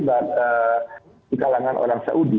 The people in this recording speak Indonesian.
di kalangan orang saudi